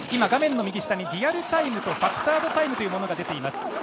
画面の右下にリアルタイムとファクタードタイムが出ています。